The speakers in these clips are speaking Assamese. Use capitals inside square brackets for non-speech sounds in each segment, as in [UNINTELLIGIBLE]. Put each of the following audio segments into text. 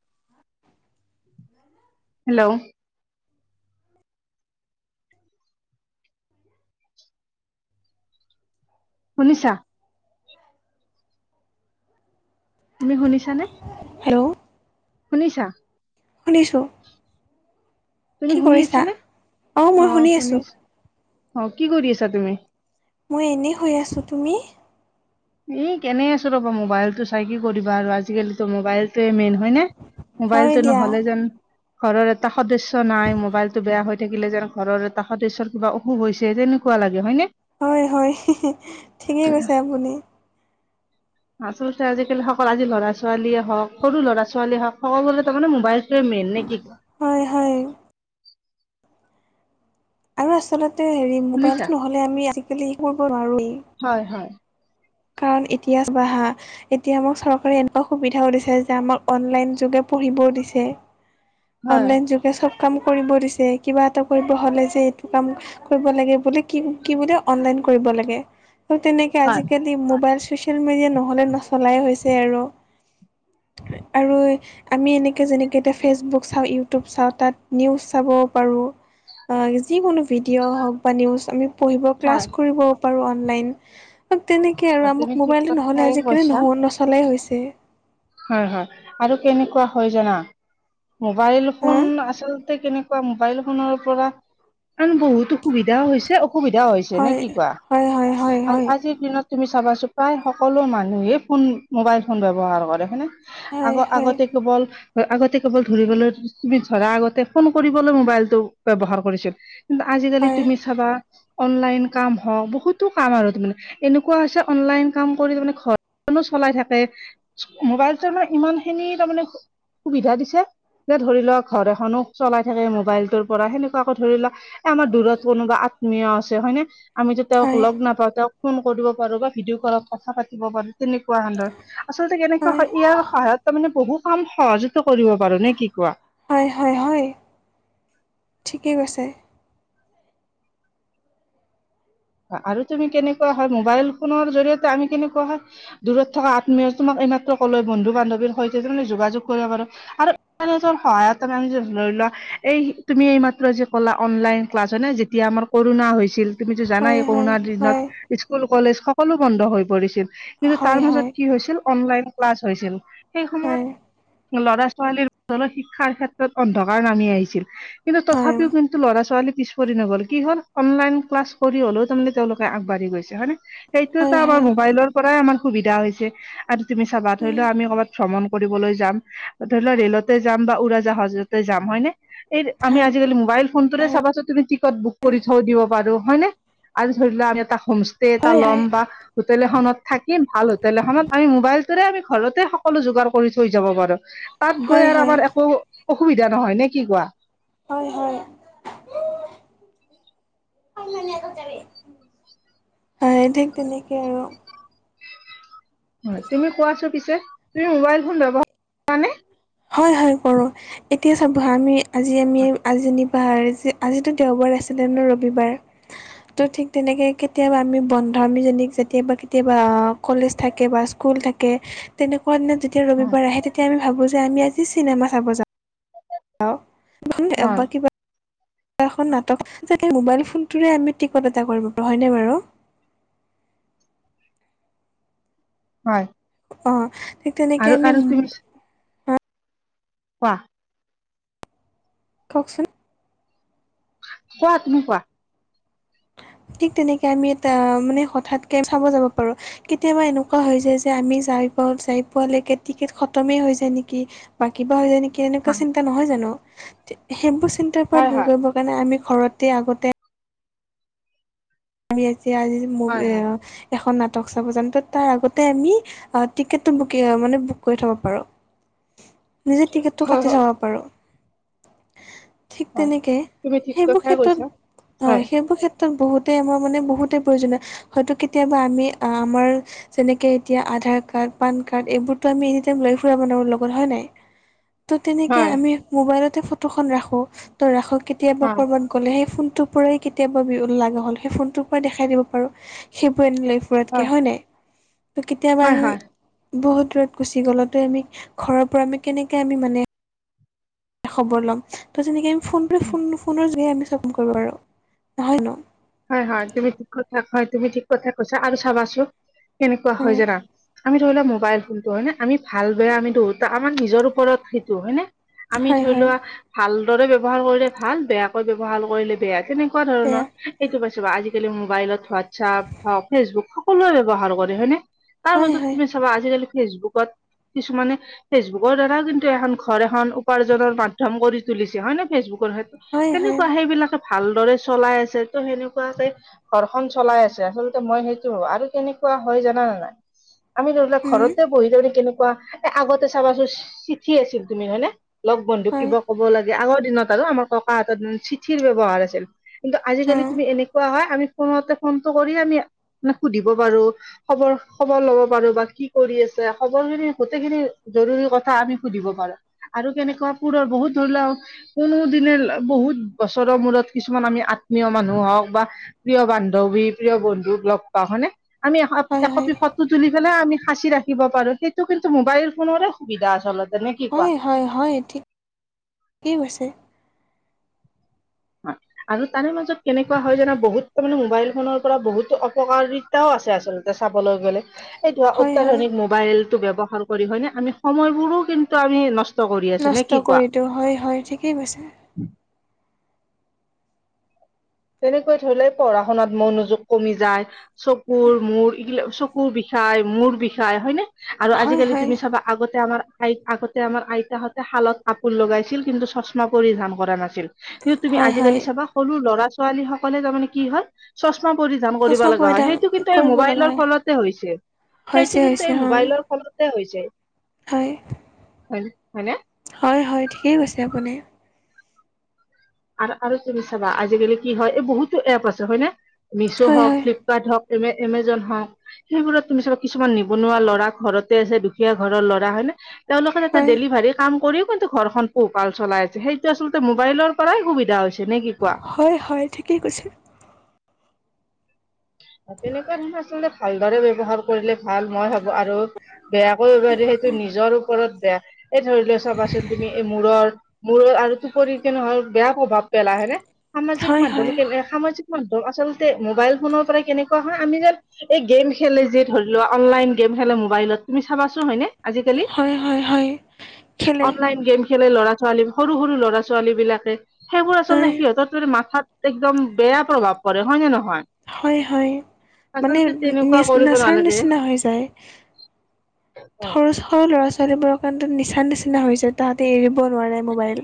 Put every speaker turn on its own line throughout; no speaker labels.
[UNINTELLIGIBLE]
হেল্লৌ' শুনিছা। তুমি শুনিছানে?
হেল্ল'
শুনিছা।
শুনিছোঁ।
তুমি
কি
শুনি
কৰিছা?
আছানে
অঁ মই শুনি আছোঁ।
অঁ কি কৰি আছা তুমি?
মই এনেই শুই আছোঁ, তুমি?
এই কেনে আছো ৰ'ব মোবাইলটো চাই কি কৰিবা আৰু আজিকালিটো মোবাইলটোৱে মেইন হয় নে?
হয়
মোবাইলটো
দিয়া
নহ'লে যেন- ঘৰৰ এটা সদস্য নাই মোবাইল টো বেয়া হৈ থাকিলে যেন ঘৰৰ এটা সদস্যৰ কিবা অস- সুষ হৈছে তেনেকুৱা লাগে হয়নে?
হয় হয়, ঠিকেই কৈছে আপুনি।
আচলতে আজিকালি সকল আজি ল'ৰা ছোৱালীয়ে হওক সৰু ল'ৰা ছোৱালীয়ে হওক সকলোৱৰে তাৰ মানে মোবাইল- টোৱে মেন নে কি?
হয় হয়। আৰু আচলতে হেৰি
শুনিছা
মোবাইলটো নহলে আমি আজিকালি একো কৰিব নোৱাৰোয়ে।
হয় হয়।
কাৰণ ইতিয়া চাবা হাঁ। এতিয়া আমাক চৰকাৰে এনেকুৱা সুবিধাও দিছে যে আমাক অনলাইন যোগে পঢ়িবও দিছে।
হয়
অনলাইন যোগে চব কাম কৰিব দিছে কিবা এটা কৰিব হ'লে যে এইটো কাম- কৰিব লাগে বুলি কি কি বোলে অনলাইন কৰিব লাগে ত তেনেকে
হয়
আজিকালি মবাইল চুইচ- নহ'লে নচলাই হৈছে আৰু। আৰু আমি এনেকে যেনেকে এতিয়া ফেচবুক- চাওঁ ইউটিউব চাওঁ তাত নিউজ চাব পাৰোঁ। যিকোনো ভিডিঅ' হওক বা নিউজ আমি পঢ়িব ক্লাছ
হয়
কৰিব পাৰোঁ অনলাইন। তেনেকেই আৰু
হয়, তুমি
আমাক
ঠিক
মোবাইলটো নহ'লে
কথাই
আজিকালি
কৈছা
নহ নচলাই হৈছে।
হয় হয়, আৰু কেনেকুৱা হয় জানা মোবাইল
হা
ফোন আচল- তে তেনেকুৱা মোবাইল ফোনৰ পৰা আন বহুতো সুবিধাও হৈছে অসুবিধাও হৈছ- ছেনে
হয়
কি কোৱা
হয় হয় হয় হয়
আজিৰ দিনত- তুমি চাবাছো প্ৰায় সকলো মানুহেই ফোন মোবাইল-ফোন ব্যৱহাৰ কৰে হয় নে?
হয় হয়
আগ-আগতে কেৱল আগতে কেৱল ধৰিবলৈ ধৰা আগতে ফোন কৰিবলৈ মোবাইলটো ব্যৱহাৰ কৰিছিল। কিন্তু আজিকালি
হয়
তুমি চাবা অনলাইন কাম হওঁক, বহুতো কাম আৰু। তাৰমানে, এনেকুৱা আছে অনলাইন কাম কৰি তাৰমানে ঘৰ [UNINTELLIGIBLE] চলাই থাকে, মোবাইলটো আমাৰ ইমানখিনি তাৰমানে সুবিধা দিছে, যে ধৰি লওক ঘৰ এখনো চলাই থাকে মোবাইলটোৰ পৰা সেনেকুৱা আকৌ ধৰি লওক এ, আমাৰ দূৰত কোনোবা আত্মীয় আছে হয় নে? আমিতো তেওঁক
হয়
লগ নাপাওঁ, তেওঁক ফোন কৰিব পাৰো বা ভিডিঅ'কলত কথা পাতিব পাৰোঁ। তেনেকুৱা [UNINTELLIGIBLE] আচলতে কেনেক
হয়
ইয়াৰ সহায়ত তাৰ মানে বহু কাম সহজিত কৰিব পাৰো নে কি কোৱা?
হয় হয় হয়, ঠিকে কৈছে।
আৰু তুমি কেনেকুৱা হয়? মোবাইল ফোনৰ জৰিয়তে আমি কেনেকুৱা হয় দূৰত থকা আত্মীয় তোমাক এইমাত্ৰ কলে বন্ধু-বান্ধৱীৰ সৈতে তাৰমানে যোগাযোগ কৰিব পাৰোঁ। আৰু ইণ্টাৰনেটৰ সহায়ত [UNINTELLIGIBLE] ধৰি লোৱা এই তুমি এই মাত্ৰ যে কলা অনলাইন ক্লাছ হয় নে? যেতিয়া আমাৰ কৰোণা হৈছিল, তুমিতো জানাই
হয় হয়
কৰোণাৰ দিনত
হয়
স্কুল-কলেজ সকলো বন্ধ হৈ পৰিছিল, কিন্তু তাৰ
হয়
মাজত
হয়
কি হৈছিল অনলাইন ক্লাছ হৈছিল। সেই সময়ত
হয়
ল'ৰা-ছোৱালীৰ শিক্ষাৰ ক্ষেত্ৰত অন্ধকাৰ নামি আহিছিল। কিন্তু
হয়
তথাপিও কিন্তু ল'ৰা-ছোৱালী পিছ পৰি নগ'ল, কি হ'ল অনলাইন ক্লাছ কৰি হলেও তাৰমানে তেওঁলোকে আগবাঢ়ি গৈছে হয় নে? সেইটোতো
হয়
আমাৰ
হয়
মোবাইলৰ পৰাই আমাৰ সুবিধা হৈছে আৰু তুমি চাবা ধৰি
উম,
লোৱা আমি কৰবাত ভ্ৰমণ কৰিবলৈ যাম, ধৰি লোৱা ৰেলতে যাম বা উৰাজাহাজতে যাম, হয়নে? এই আমি
হয়
আজিকালি মোবাইল ফোনটোৰে চাবাচো তুমি টিকট বুক কৰি থৈ দিব পাৰোঁ। হয়নে? আজি ধৰি লোৱা আমি এটা হোমষ্টে এটা
হয়
লম বা হোটেল এখনত থাকিম ভাল হোটেল এখনত। আমি মোবাইলটোৰে আমি ঘৰতে সকলো যোগাৰ কৰি থৈ যাব পাৰোঁ। তাত গৈ
হয়
আৰু
হয় হয়
আমাৰ একো অসুবিধা নহয় নে? কি কোৱা?
হয়, হয়। হয়, ঠিক তেনেকে আৰু।
হয়, তুমি কোৱাচো পিছে তুমি মোবাইল ফোন ব্যৱহাৰ কৰা নে?
হয় হয় কৰোঁ, এতিয়া চাব আমি আজি আমি আজিতো দেওবাৰ আছিলে ন? ৰবিবাৰ। ত' ঠিক তেনেকে কেতিয়াবা আমি বন্ধামীজনীক কেতিয়াবা কেতিয়াবা কলেজ থাকে বা স্কুল থাকে তেনেকুৱা যেতিয়া
হয়
ৰবিবাৰ আহে, তেতিয়া আমি ভাবো যে আমি আজি চিনেমা চাব যাম।
হয়
[UNINTELLIGIBLE] এখন নাটক তেতিয়া মোবাইল ফোনটোৰে আমি টিকট এটা কৰিব পাৰো হয়নে বাৰু?
হয়।
অ', ঠিক তেনেকে
আৰু
আমি
আৰু ৱাহ!
কওকচোন।
কোৱা, তুমি কোৱা।
ঠিক তেনেকে আমি এটা মানে হঠাৎ [UNINTELLIGIBLE] চাব যাব পাৰোঁ। কেতিয়াবা এনেকুৱা হৈ যায় যে, আমি যাই পাওঁ যাই পোৱালৈকে টিকেট খতমেই হৈ যায় নেকি? বা কিবা হয় যায় নেকি? তেনেকুৱা চিন্তা নহয় জানো, সেইবোৰ চিন্তাৰ পৰা
হয়
দূৰ
হয়
কৰিবৰ কাৰণে আমি ঘৰতে আগতে আমি এতিয়া আজি ম।
হয় হয়
এখন নাটক চাব জাম তাৰ আগতে আমি টিকেটটো বুক মানে বুক কৰি থব পাৰো।
[UNINTELLIGIBLE]
নিজে টিকেটটো
হয়
কাটি
হয়
থব পাৰোঁ ঠিক
হয়
তেনেকৈ
তুমি ঠিক
সেইবোৰ
কথাই
ক্ষেত্ৰত
কৈছা
হয় সেইবোৰ ক্ষেত্ৰত বহুত আমাৰ মানে বহুতেই প্ৰয়োজনীয় হয়তো কেতিয়াবা আমি আমাৰ। যেনেকে এতিয়া আধাৰ কাৰ্ড পান কাৰ্ড এইবোৰটো আমি এ লৈ ফুৰা মানো লগত হয় নাই।
[UNINTELLIGIBLE]
ত' তেনেকে
হয়
আমি মোবাইলতে ফটোখন ৰাখো ত' ৰাখো কেতিয়াবা
হয়
ক'ৰবাত। ক'লে সেই ফোনটোৰ পৰাই কেতিয়াবা বি লাগে হ'ল সেই ফোনটোৰ পৰাই দেখাই দিব পাৰোঁ সেইবোৰ এনিল। ৰতকৈ হয় নাই ' কেতিয়াবা।
হয় হয়
বহুত দূৰত গুচি গ'ল আমি ঘৰৰ পৰা আমি কেনেকে আমি মানে। এটা খবৰ ল'ম তো যেনেকৈ আমি ফোন পে ফোন ফোনৰ যোগে আমি চবোন কৰোঁ আৰু নহয় ন।
হয় হয় তুমি ঠিক কথা হয় তুমি ঠিক কথা কৈছা আৰু চাবাচোন কেনেকুৱা হয়
উম
জানা। আমি ধৰি ললোৱা মোবাইল ফোনটো হয় নে আমি ভাল বেয়া আমি ধোত আমাৰ নিজৰ ওপৰত সেইটো হয় নে। আমি
হয়
ধৰি
হয়
লোৱা ভালদৰে ব ব্যৱহাৰ কৰিলে ভাল বেয়াকৈ ব্যৱহাৰ কৰিলে বেয়া যেনেকে। তেনেকুৱা
বেয়া
ধৰণৰ। এইটো পাইছে বু আজিকালি মোবাইলত হোৱাটছআপ হওক ফেচবুক সকলোৱে ব্যৱহাৰ কৰে হয়নে। তাৰ
হয়
মাজত
হয়
তুমি চাবা আজিকালি ফেচবুকত কিছুমানে। ফেচবুকৰ দ্বাৰাও কিন্তু এখন ঘৰ এখন উপাৰ্জনৰ মাধ্ম কৰি তুলিছে হয় ন ফেচবুকৰ সত।
হয় হয়
তেনেকুৱা সেইবিলাকে ভালদৰে চলাই আছে ত' সেনেকুৱাকে। ঘৰখনন চলাই আছে আচলতে মই সেইটো হ আৰু কেনেকুৱা হয় জানা নে নাই। আমি ধৰি লোৱা
উম
ঘৰতে বহি ধৰি কেনেকুৱা এ আগতে চাবাচোন চিঠি আছিল তুমি নহয় ন। লগ বন্ধুক
হয়
কিবা ক'ব লাগে আগৰ দিনত আৰু আমাৰ ককাহাতত চিঠিৰ ব্যৱহাৰ আছিল। কিন্তু আজিকালি
উম
তুমি এনেকুৱা, হয় আমি ফোনতে ফোনটো কৰি আমি মে সুধিব পাৰো। খবৰ খবৰ লব পাৰো বা কি কৰি আছে, খবৰ খিনি গোটেইখিনি জৰুৰী কথা আমি সুধিব পাৰো। আৰু কেনেকুৱা পুৰৰ বহুত ধৰি লাও। কোনো দিনে বহুত বছৰৰ মূৰত কিছুমান আমি আত্মীয়। মানুহ হওক বা প্ৰিয় বান্ধৱী, প্ৰিয় বন্ধুক লগ পাওঁ মানে আমি
হয় হয়
একপি ফ। তুলি পেলাই আমি সাঁচি ৰাখিব পাৰো সেইটো কিন্তু মোবাইল ফোনেৰে সুবিধা আচলতে নে কি কোৱা?
হয় হয় হয় ঠিক, কি কৈছে।
আৰু তাৰে মাজত কেনেকুৱা হয় জানা বহুত তাৰমানে মোবাইল ফোনৰ পৰা বহুতো অপকাৰী। আছে আচলতে চাবলৈ গ'লে। এইটো
হয় হয়
অত্যাধুনিক মোবাইল টো ব্যৱহাৰ কৰি হয়নে আমি সময়বোৰো কিন্তু আমি নষ্ট। কৰি আছো নে কি
নষ্ট
কোৱা
কৰি দিয়ো, হয় হয় ঠিকেই কৈছে।
তেনেকৈ ধৰিলে পঢ়া শুনাত মনোযোগ কমি যায়, চকুৰ মূৰ এইবিলাক চ। ক, কুৰ বিষায় মূৰ বিষায় হয়নে আৰু
হয়
আজিকালি
হয়
তুমি চাবা। আগতে আমাৰ আইক আগতে আমাৰ আইতাহঁতে শালত কাপোৰ লগাইছিল কিন্তু চশমা কৰি ধান কৰা নাছিল। কিন্তু তুমি
হয় হয়
আজিকালি চাবা সৰু ল'ৰা - ছোৱালী সকলে তাৰমানে কি হল। চশমা পৰিধান কৰিব
চশমা
লগা হয়,
পৰিধান
সেইটো কিন্তু এই
কৰিব লগা
মোবাইলৰ
হয়
ফলতে হৈছে।
হৈছে
সেইটো কিন্তু
হৈছে
এই
হয়
মোবাইলৰ ফলতে হৈ যায়।
হয়।
হয়, হয়নে?
হয় হয়, ঠিকেই কৈছে আপুনি।
আৰু আৰু তুমি চাবা আজিকালি কি হয় এই বহুতো এপ আছে হয়নে মিছ
হয়
হওক
হয়
ফ্লিপ। ভাত হওক, এমে এমেজন হওঁক। সেইবোৰত তুমি চাবা, কিছুমান নিবনুৱা ল'ৰা ঘৰতে আছে, দুখীয়া ঘৰৰ ল'ৰা হ'য় নে। তেওঁলোকে তাতে
হয়
ডেলিভাৰী কাম কৰিও কিন্তু ঘৰখন পোহ ভাল চলাই আছে, সেইটো আচলতে মোবাইলৰ কৰাই সুবিধা হৈছে নে কি কোৱা।
হয় হয়, ঠিকেই কৈছে।
তেনেকুৱা ধৰণৰ আচলতে ভালদৰে ব্যৱহাৰ কৰিলে ভাল, মই ভাবো আৰু, বেয়াকৈ পাৰি সেইটো নিজৰ ওপৰত বেয়া। এই ধৰি লৈ চাবাচোন, তুমি এই মূৰৰ, মূৰৰ আৰু টোপৰি কেনেকৈ বেয়া প্ৰভাৱ পেলাই, হয়নে? সামাজিক
হয়
মাধ্ম
হয়
কে সামাজিক মাধ্য়ম আচলতে মোবাইল ফোনৰ পৰা কেনেকুৱা হয়, আমি যে এই গেম খেলে যে ধৰি লোৱা অনলাইন গেম খেলে মোবাইলত, তুমি চাবাচোন, হয়নে। আজিকালি,
হয় হয় হয় খেলে
অনলাইন গেম খেলে ল'ৰা ছোৱালী, সৰু, সৰু ল'ৰা ছোৱালী বিলাকে, সেইবোৰ আচলতে
হয়
সিহঁতত মাথাত একদম বেয়া প্ৰভাৱ পৰে, হয় নে নহয়।
হয় হয়, মানে
আচলতে তেনেকুৱা
নে
কৰিব
নেচাৰ
নালাগে
নিচিনা হৈ যায়।
[UNINTELLIGIBLE]
সৰু, সৰু ল'ৰা ছোৱালীবোৰৰ কাৰণে নিচা নিচিনা হৈ যায়, তাহাঁতে এৰিব নোৱাৰে মোবাইল।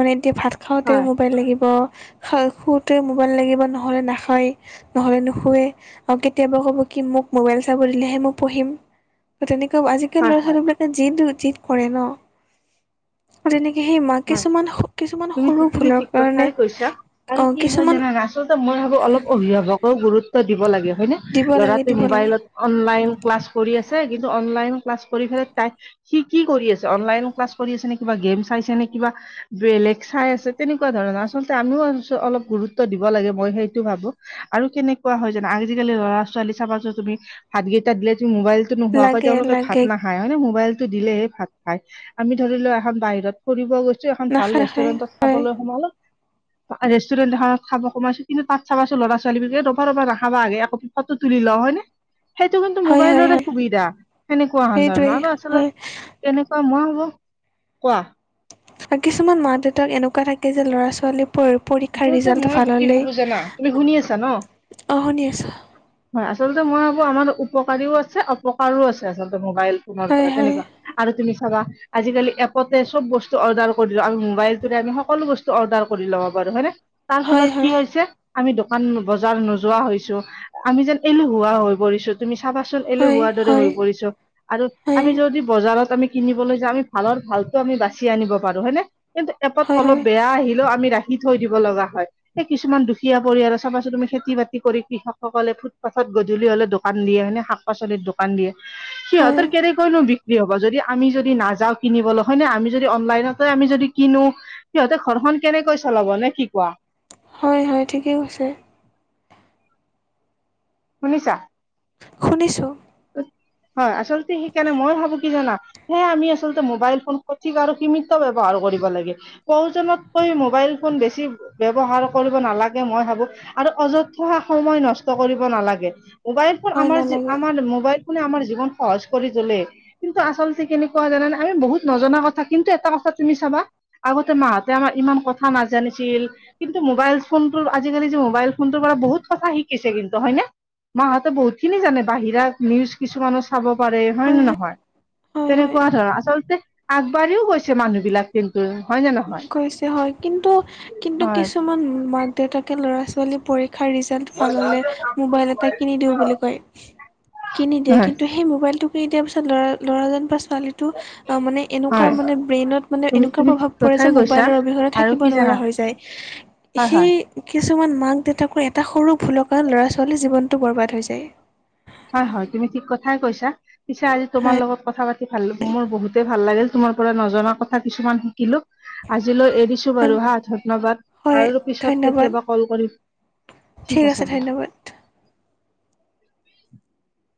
মানে এতিয়া ভাত
হয়,
খাওঁতেও মোবাইল লাগিব, খা শুওঁতেও মোবাইল লাগিব, নহ'লে নাখায়। নহ'লে নুশুোৱে, আৰু কেতিয়াবা ক'ব কি মোক মোবাইল চাব দিলেহে মই পঢ়িম। ত তেনেকুৱা আজিকালি
হয়,
ল'ৰা
হয়,
ছোৱালী বিলাকে জদো জদ কৰে ন। তেনেকে সেই মাক
হয়,
কিছুমান কিছুমান
তুমি
সৰু
তুমি
ভুলৰ
ঠিক কথাই
কাৰণে
কৈছা।
অ
আৰু কি হয়
কিছুমান
জানা আচলতে মই ভাবো অলপ অভিভাৱক ব গুৰুত্ব দিব লাগে, হয়নে
দিব লাগে
ল'ৰাটোৱে
দিব লাগে
মোবাইলত অনলাইন ক্লাছ কৰি আছে, কিন্তু অনলাইন ক্লাছ কৰি পেলাই তাইক সি কি কৰি আছে, অনলাইন ক্লাছ কৰি আছে নে, কিবা গেম চাইছে নে কিবা বেলেগ চাই আছে, তেনেকুৱা ধৰণৰ আচলতে আমিও অলপ গুৰুত্ব দিব লাগে, মই সেইটো ভাবো। আৰু কেনেকুৱা হয় জানা, আজিকালি ল'ৰা ছোৱালী চাবা যোন তুমি হাত কেইটা দিলে তুমি মোবাইল নোহোৱাকৈ
লাগে
তেওঁলোকে ভাত
লাগে
নাখায় হয় নে মোবাইলতো দিলেহে ভাত খায়, আমি ধৰি লোৱা এখন বাহিৰত ফুৰিব গৈছো, এখন ভাল
নাখায় নাখায়
ৰেষ্টুৰেন্টত
হয়
খাবলৈ সোমালো ৰেষ্টুৰেণ্ট এখন খাব খোমাইছো, কিন্তু তাত চাবছো লৰা ছোৱালী বিকে ৰবা ৰবা নাখাবা আকৌ ফটো তুলি লওঁ হয়নে। সেইটো কিন্তু
হয় হয়
মোবাইলৰে
হয়
সুবিধা, সেনেকুৱা হ
সেইটোৱেই
ধৰণৰ
হয়
আচলতে কেনেকুৱা মই হ'ব, কোৱা।
আৰু কিছুমান মা দেউতাক এনেকুৱা থাকে যে ল'ৰা ছোৱালী প পৰীক্ষাৰ
আচলতে
ৰিজাল্ট
মই
ভাল
কি
হ'লেই,
ভাবো জানা তুমি শুনি আছা ন
অ', শুনি আছো।
হয় আচলতে মই ভাবো আমাৰ উপকাৰীও আছে, অপকাৰও আছে, আচলতে মোবাইল ফোনৰ
হয়
পৰা
হয়
তেনেকুৱা। আৰু তুমি চাবা আজিকালি এপতে চব বস্তু অৰ্ডাৰ কৰি দো, আমি মোবাইলটোৰে আমি সকলো বস্তু অৰ্ডাৰ কৰি ল'ব পাৰো হয়নে, তাৰ
হয়
ফলত কি
হয়
হৈছে আমি দোকান বজাৰ নোযোৱা হৈছো, আমি যেন এলহুলোৱা হৈ পৰিছো। তুমি চাবাচোন এলেসুৱা
হয়
হোৱাৰ দৰে হৈ
হয়
পৰিছো, আৰু
হয়
আমি যদি বজাৰত আমি কিনিবলৈ যাওঁ, আমি ভালৰ ভালো আমি বাচি আনিব পাৰো হয়নে, কিন্তু এপত
হয়
অলপ
হয়
বেয়া আহিলেও আমি ৰাখ খি থৈ দিব লগা হয়। এই কিছুমান দুখীয়া পৰিয়াল চাবাচোন, তুমি খেতি বাতি কৰি কৃষকসকলে ফুটপাথত গধূলি হ'লে দোকান দিয়ে মানে শাক পাচলিৰ দোকান দিয়ে,
হয়
সিহঁতৰ কেনেকৈনো বিক্ৰি হ'ব, যদি আমি যদি নাযাওঁ কিনিবলৈ হয় নে আমি যদি অনলাইনতে আমি যদি কিনো সিহঁতে ঘৰখন কেনেকৈ চলাব, নে কি কোৱা?
হয় হয় ঠিকেই কৈছে।
শুনিছা?
শুনিছোঁ।
হয় আচলতে সেইকাৰণে ময়ো ভাবো কি জানা? হে আমি আচলতে মোবাইল ফোন সঠিক আৰু সীমিত ব্যৱহাৰ কৰিব লাগে। প্ৰয়োজনতকৈ মোবাইল ফোন বেছি ব্যৱহাৰ কৰিব নালাগে মই ভাবো। আৰু অযথ সময় নষ্ট কৰিব নালাগে, মোবাইল ফোন
হয়
আমাৰ যি
নালাগে
আমাৰ মো মোবাইল ফোনে আমাৰ জীৱন সহজ কৰি তোলে। কিন্তু আচলতে কেনেকুৱা জানানে? আমি বহুত নজনা কথা কিন্তু এটা কথা তুমি চাবা আগতে মাহঁতে আমাৰ ইমান কথা নাজানিছিল কিন্তু মোবাইল ফোনটোৰ আজিকালি যে মোবাইল ফোনটোৰ পৰা বহুত কথা শিকিছে কিন্তু হয় নে? মাহঁতে বহুতখিনি জানে বাহিৰাত নিউজ কিছুমানো চাব পাৰে হয় নে নহয়?
হয় হয়
তেনেকুৱা ধৰ আচলতে আগবাঢ়িও গৈছে মানুহবিলাক কিন্তু হয় নে নহয়
কৈছে হয় কিন্তু কিন্তু
হয়
কিছুমান মাক-দেউতাকে ল'ৰা-ছোৱালী পৰীক্ষাৰ ৰিছ জাল্ট ভাল হ'লে মোবাইল এটা কিনি দিওঁ বুলি কয়, কিনি দিয়ে
হয়
কিন্তু সেই মোবাইলটো কিনি দিয়াৰ পিছত ল'ৰা- ল'ৰাজন বা ছোৱালীটো অ মানে এনেকুৱা
হয়
মানে ব্ৰেইনত মানে
তুমি
এনেকুৱা
তুমি ঠিক
প্ৰভাৱ পৰে
কথাই
যে
কৈছা
মোবাইলৰ অবিহনে
আৰু
থাকিব
কি জানা
নোৱাৰা হৈ যায়
হয় হয়
সেই এ কিছুমান মাক-দেউতাকৰ এটা সৰু ভুলৰ কাৰণে ল'ৰা-ছোৱালীৰ জীৱনটো বৰবাদ হৈ যায়।
হয় হয় তুমি ঠিক কথাই কৈছা, পিছে আজি তোমাৰ লগত কথা পা তি ভাল মোৰ বহুতে ভাল লাগিল তোমাৰ পৰা নজনা কথা কিছুমান শিকিলো, আজিলৈ এৰিছ তো
হয়
বাৰু হা ধন্যবাদ
হয়
আৰু পিছত
ধন্যবাদ
কেতিয়াবা কল কৰিম, ঠিক আছে দিয়া। [INAUDIBLE]